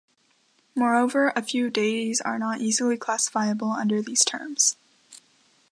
Moreover, a few deities are not easily classifiable under these terms.